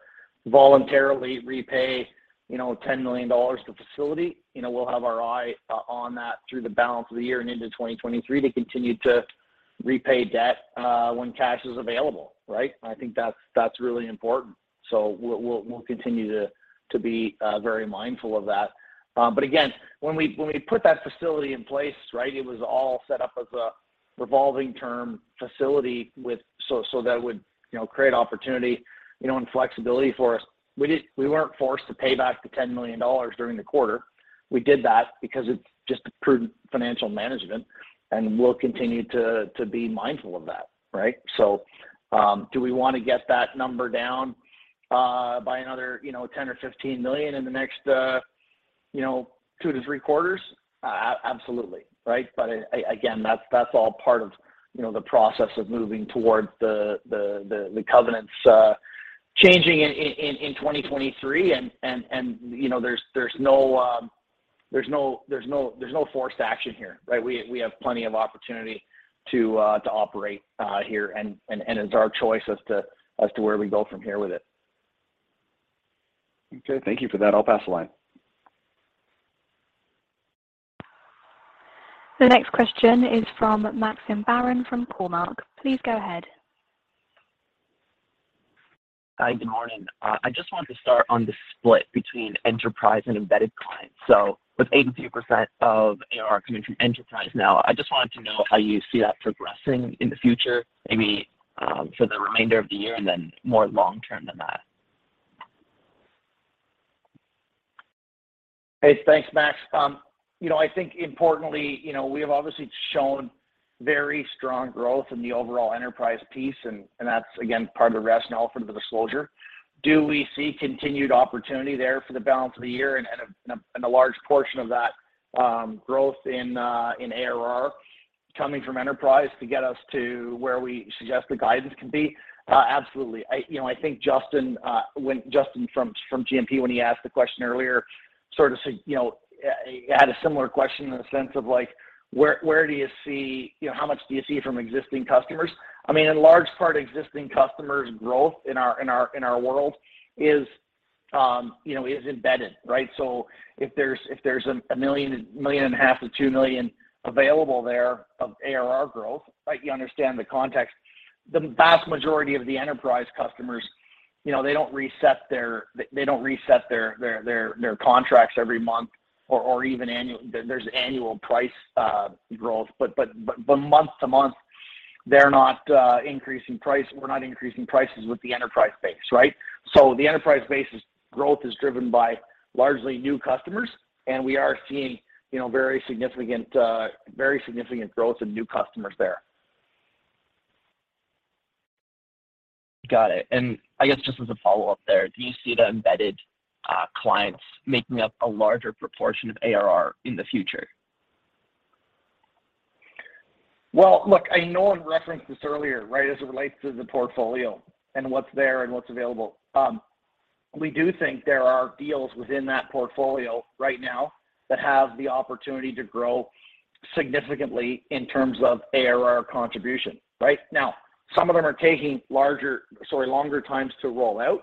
voluntarily repay, you know, 10 million dollars to facility. We'll have our eye on that through the balance of the year, and into 2023 to continue to repay debt when cash is available, right? I think that's really important. We'll continue to be very mindful of that. But again, when we put that facility in place, right, it was all set up as a revolving term facility with, so that would, you know, create opportunity, you know, and flexibility for us. We weren't forced to pay back the 10 million dollars during the quarter. We did that because it's just a prudent financial management, and we'll continue to be mindful of that, right? Do we want to get that number down by another, you know, 10 million or 15 million in the next, you know, two quarter to three quarters? Absolutely, right? Again, that's all part of, you know, the process of moving towards the covenants changing in 2023 and, you know, there's no forced action here, right? We have plenty of opportunity to operate here and it's our choice as to where we go from here with it. Okay. Thank you for that. I'll pass the line. The next question is from Maxim Barron from Cormark. Please go ahead. Hi, good morning. I just wanted to start on the split between enterprise and embedded clients. With 82% of ARR coming from enterprise now, I just wanted to know how you see that progressing in the future, maybe, for the remainder of the year and then more long term than that. Hey, thanks, Max. I think importantly, you know, we have obviously shown very strong growth in the overall enterprise piece, and that's again part of the rationale for the disclosure. Do we see continued opportunity there for the balance of the year and a large portion of that growth in ARR coming from enterprise to get us to where we suggest the guidance can be? Absolutely. I think when Justin from GMP asked the question earlier, sort of, you know, he had a similar question in the sense of like, where do you see, you know, how much do you see from existing customers? I mean, in large part, existing customers' growth in our world is, you know, is embedded, right? If there's 1.5 million to 2 million available there of ARR growth, right? You understand the context. The vast majority of the enterprise customers, you know, they don't reset their contracts every month or even annually. There's annual price growth, but month to month, they're not increasing price. We're not increasing prices with the enterprise base, right? The enterprise base growth is driven by largely new customers, and we are seeing, you know, very significant growth in new customers there. Got it, just as a follow-up there, do you see the embedded clients making up a larger proportion of ARR in the future? Well, look, I know I've referenced this earlier, right? As it relates to the portfolio and what's there and what's available. We do think there are deals within that portfolio right now that have the opportunity to grow significantly in terms of ARR contribution, right? Now, some of them are taking longer times to roll out.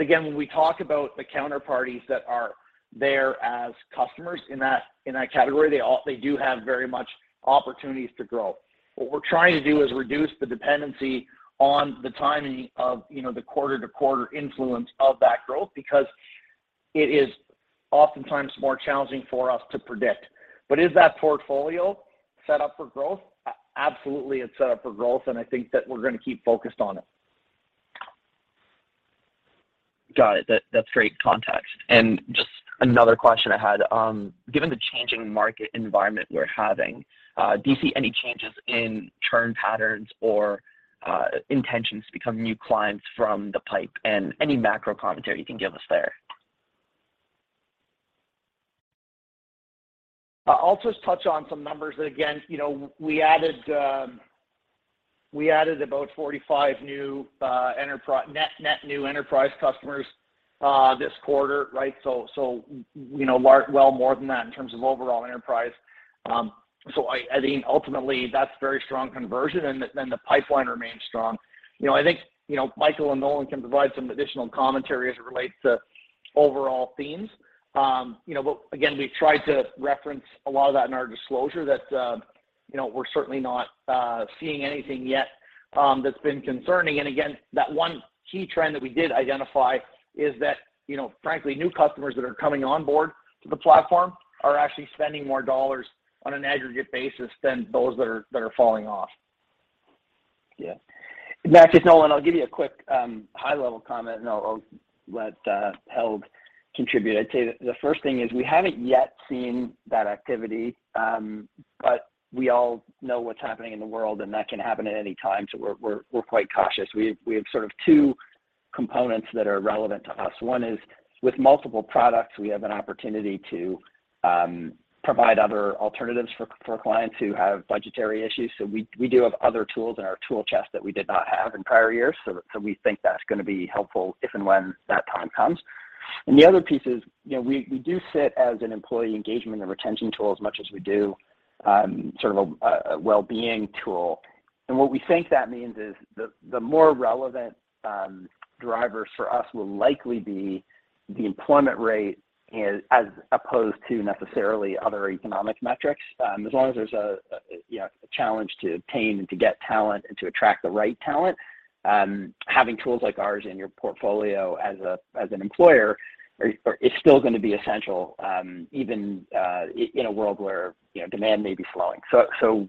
Again, when we talk about the counterparties that are there as customers in that category, they do have very much opportunities to grow. What we're trying to do is reduce the dependency on the timing of, you know, the quarter-to-quarter influence of that growth because it is oftentimes more challenging for us to predict. Is that portfolio set up for growth? Absolutely, it's set up for growth, and I think that we're going to keep focused on it. Got it. That's great context, and just another question I had. Given the changing market environment we're having, do you see any changes in churn patterns or intentions to become new clients from the pipeline, and any macro commentary you can give us there? I'll just touch on some numbers that again, you know, we added about 45 new net new enterprise customers this quarter, right? You know, well more than that in terms of overall enterprise. I think ultimately that's very strong conversion and the pipeline remains strong. I think Michael and Nolan can provide some additional commentary as it relates to overall themes. You know, again, we've tried to reference a lot of that in our disclosure that, you know, we're certainly not seeing anything yet that's been concerning. Again, that one key trend that we did identify is that, you know, frankly, new customers that are coming on board to the platform are actually spending more dollars on an aggregate basis than those that are falling off. Yeah, and Max, it's Nolan. I'll give you a quick high-level comment and I'll let Held contribute. I'd say the first thing is we haven't yet seen that activity, but we all know what's happening in the world, and that can happen at any time, so we're quite cautious. We have sort of two components that are relevant to us, one is with multiple products, we have an opportunity to provide other alternatives for clients who have budgetary issues. We do have other tools in our tool chest that we did not have in prior years so we think that's going to be helpful if and when that time comes. The other piece is, you know, we do sit as an employee engagement and retention tool as much as we do, sort of a wellbeing tool. What we think that means is the more relevant drivers for us will likely be the employment rate as opposed to necessarily other economic metrics. As long as there's a, you know, a challenge to obtain, to get talent, and to attract the right talent, having tools like ours in your portfolio as an employer is still going to be essential, even in a world where, you know, demand may be slowing.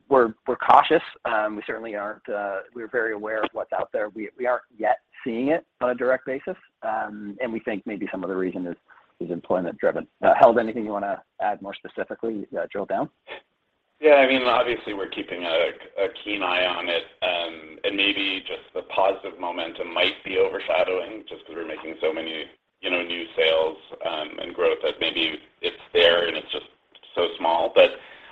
We're cautious. We're very aware of what's out there. We aren't yet seeing it on a direct basis. We think maybe some of the reason is employment driven. Held, anything you want to add more specifically, drill down? Yeah, I mean, obviously we're keeping a keen eye on it, and maybe just the positive momentum might be overshadowing just because we're making so many, you know, new sales, and growth that maybe it's there and it's so small.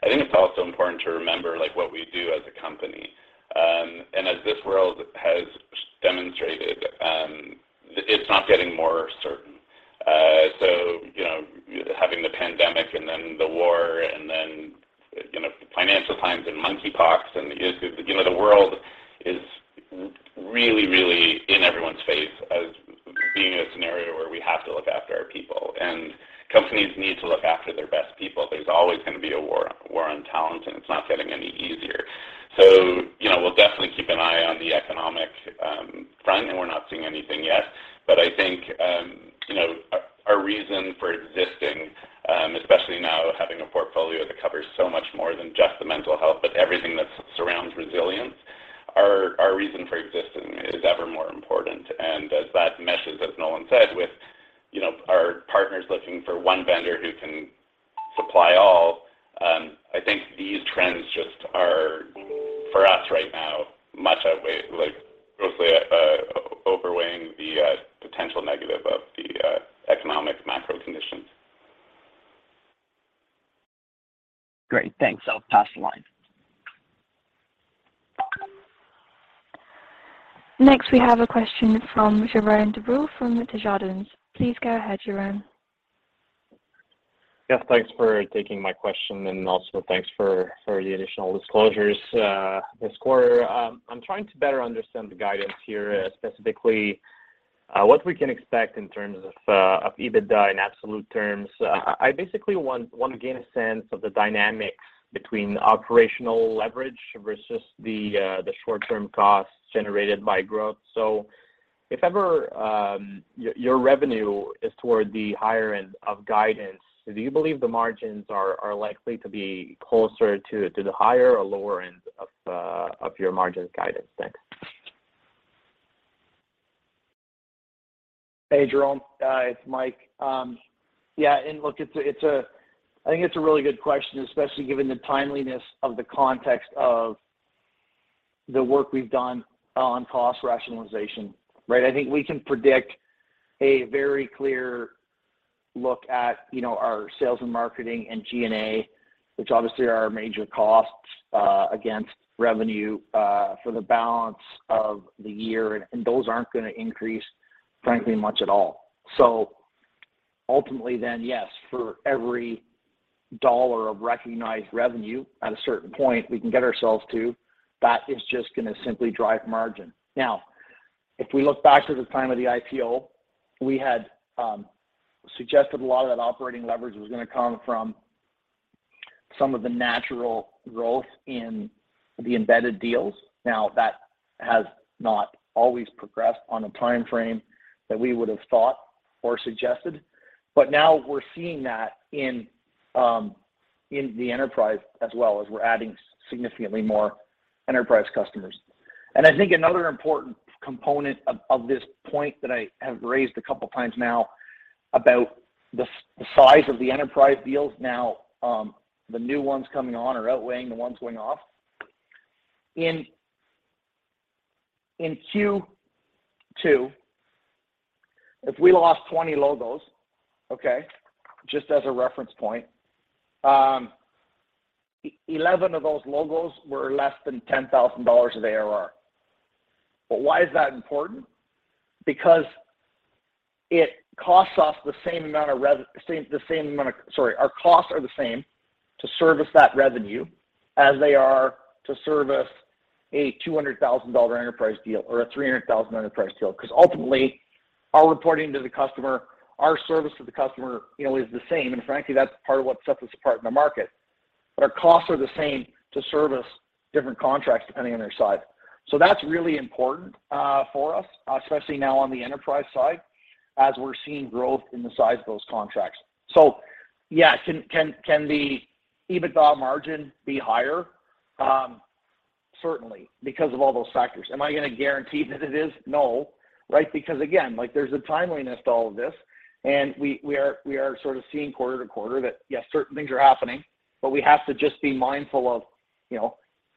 I think it's also important to remember like what we do as a company. As this world has demonstrated, it's not getting more certai, hou know, having the pandemic and then the war, and then, you know, financial times, and monkey pox. The world is really, really in everyone's face as being in a scenario where we have to look after our people and companies need to look after their best people. There's always going to going to be a war on talent and it's not getting any easier. You know, we'll definitely keep an eye on the economic front, and we're not seeing anything yet. I think, you know, our reason for existing, especially now having a portfolio that covers so much more than just the mental health, but everything that surrounds resilience. Our reason for existing is ever more important. As that meshes, as Nolan said, with, you know, our partners looking for one vendor who can supply all, I think these trends just are for us right now much outweigh, like grossly overweighing the potential negative of the economic macro conditions. Great. Thanks. I'll pass the line. Next, we have a question from Jerome Dubreuil from Desjardins. Please go ahead, Jerome. Yes. Thanks for taking my question and also thanks for the additional disclosures this quarter. I'm trying to better understand the guidance here, specifically what we can expect in terms of EBITDA in absolute terms. I basically want to gain a sense of the dynamics between operational leverage versus the short-term costs generated by growth. If ever your revenue is toward the higher end of guidance, do you believe the margins are likely to be closer to the higher or lower end of your margins guidance? Thanks. Hey, Jerome. It's Mike. Yeah, and look, it's a I think it's a really good question, especially given the timeliness of the context of the work we've done on cost rationalization. Right? I think we can predict a very clear look at, you know, our sales and marketing and G&A, which obviously are our major costs against revenue for the balance of the year. Those aren't going to increase, frankly, much at all. Ultimately then, yes, for every dollar of recognized revenue at a certain point we can get ourselves to, that is just going to simply drive margin. Now, if we look back to the time of the IPO, we had suggested a lot of that operating leverage was going to come from some of the natural growth in the embedded deals. Now, that has not always progressed on a timeframe that we would have thought or suggested. Now we're seeing that in the enterprise as well as we're adding significantly more enterprise customers. I think another important component of this point that I have raised a couple times now about the size of the enterprise deals now, the new ones coming on are outweighing the ones going off. In Q2, if we lost 20 logos, okay, just as a reference point, 11 of those logos were less than 10,000 dollars of ARR. Why is that important? Because it costs us the same amount of revenue. Sorry. Our costs are the same to service that revenue as they are to service a 200,000 dollar enterprise deal or a 300,000 enterprise deal. Because ultimately our reporting to the customer, our service to the customer, you know, is the same, and frankly, that's part of what sets us apart in the market. Our costs are the same to service different contracts depending on their size. That's really important for us, especially now on the enterprise side as we're seeing growth in the size of those contracts. Yeah. Can the EBITDA margin be higher? Certainly, because of all those factors. Am I going to guarantee that it is? No. Right? Because again, like there's a timeliness to all of this, and we are sort of seeing quarter to quarter that, yes, certain things are happening. We have to just be mindful of, you know,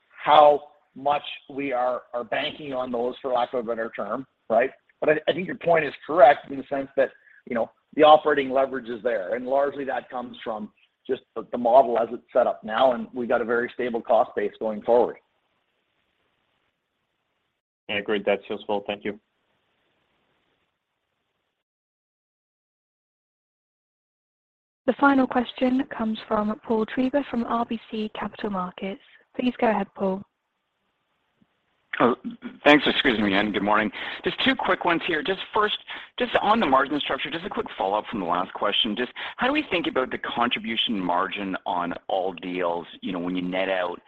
how much we are banking on those, for lack of a better term, right? I think your point is correct in the sense that, you know, the operating leverage is there, and largely that comes from just the model as it's set up now, and we've got a very stable cost base going forward. Yeah. Great. That's useful. Thank you. The final question comes from Paul Treiber from RBC Capital Markets. Please go ahead, Paul. Oh, thanks, excuse me, and good morning. Just two quick ones here. Just first, just on the margin structure, just a quick follow-up from the last question. Just how do we think about the contribution margin on all deals, you know, when you net out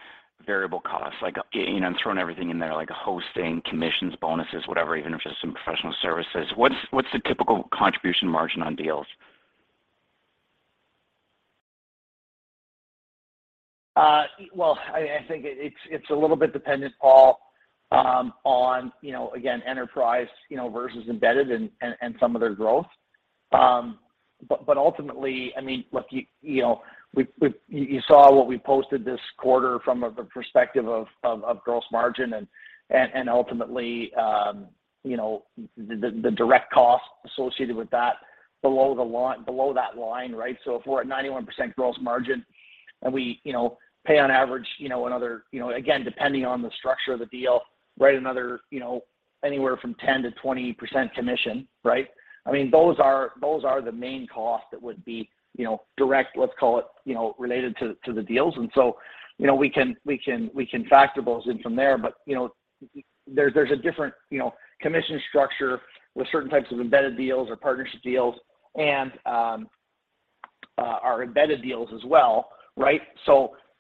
variable costs? I'm throwing everything in there like hosting, commissions, bonuses, whatever, even if it's some professional services, what's the typical contribution margin on deals? Well, I think it's a little bit dependent, Paul, on, you know, again, enterprise you know, versus embedded and some of their growth. Ultimately, I mean, look, you know, you saw what we posted this quarter from a perspective of gross margin and ultimately you know, the direct cost associated with that below that line, right? So if we're at 91% gross margin and we you know, pay on average you know, another you know, again, depending on the structure of the deal, right, another you know, anywhere from 10% to 20% commission, right? I mean, those are the main costs that would be you know, direct, let's call it you know, related to the deals. We can factor those in from there. You know, there's a different commission structure with certain types of embedded deals or partnership deals and our embedded deals as well, right?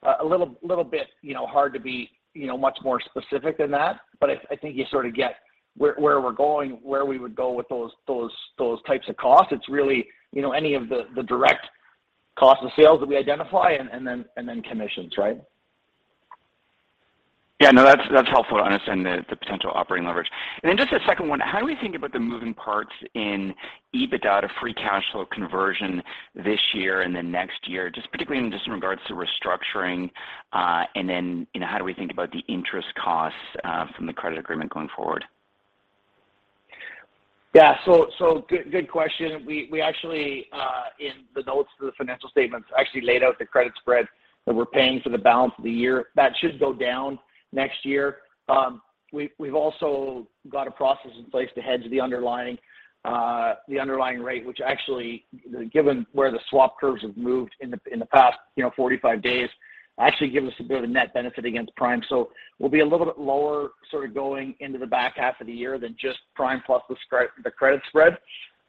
A little bit hard to be much more specific than that. I think you sort of get where we're going, where we would go with those types of costs. It's really any of the direct cost of sales that we identify, And then commissions, right? Yeah, no, that's helpful to understand the potential operating leverage. Just a second one, how do we think about the moving parts in EBITDA to free cash flow conversion this year and then next year, just particularly in regards to restructuring, and then, you know, how do we think about the interest costs from the credit agreement going forward? Yeah. Good question. We actually in the notes to the financial statements actually laid out the credit spread that we're paying for the balance of the year. That should go down next year. We've also got a process in place to hedge the underlying rate, which actually, given where the swap curves have moved in the past, you know, 45 days, actually give us a bit of a net benefit against prime. We'll be a little bit lower sort of going into the back half of the year than just prime plus the credit spread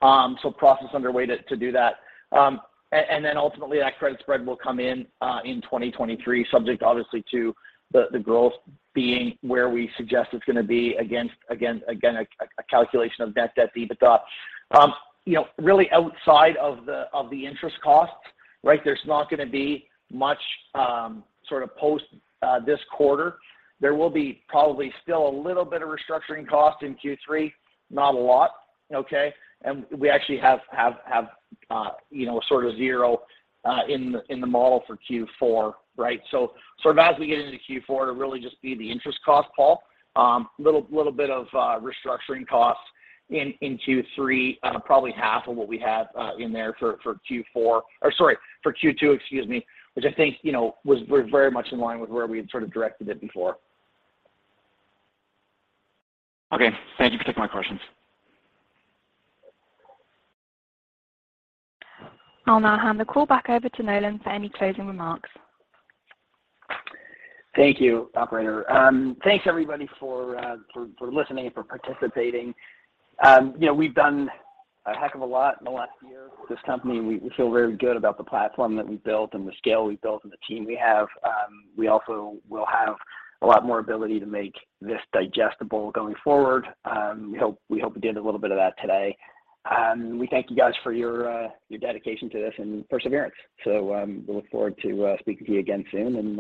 so process underway to do that. Ultimately, that credit spread will come in in 2023, subject obviously to the growth being where we suggest it's going to be against, again, a calculation of net debt EBITDA. You know, really outside of the interest costs, right? There's not going to be much, sort of post this quarter. There will be probably still a little bit of restructuring cost in Q3, but not a lot, okay? We actually have, you know, sort of zero in the model for Q4, right? So now as we get into Q4, it'll really just be the interest cost, Paul. Little bit of restructuring costs in Q3, probably half of what we had in there for Q2, excuse me, which I think, you know, we're very much in line with where we had sort of directed it before. Okay. Thank you for taking my questions. I'll now hand the call back over to Nolan for any closing remarks. Thank you, operator. Thanks everybody for listening and for participating. We've done a heck of a lot in the last year with this company, and we feel very good about the platform that we built, and the scale we've built, and the team we have. We also will have a lot more ability to make this digestible going forward. We hope we did a little bit of that today. We thank you guys for your dedication to this and perseverance. We look forward to speaking to you again soon.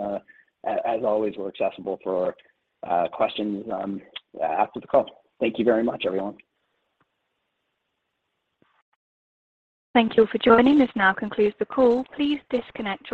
As always, we're accessible for questions after the call. Thank you very much, everyone. Thank you for joining us. This now concludes the call. Please disconnect your lines.